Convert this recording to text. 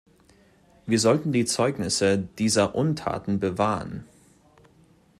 Wir sollten die Zeugnisse dieser Untaten bewahren.